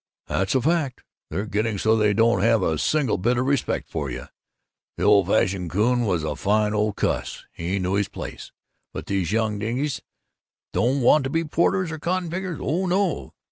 "That's a fact. They're getting so they don't have a single bit of respect for you. The old fashioned coon was a fine old cuss he knew his place but these young dinges don't want to be porters or cotton pickers. Oh, no!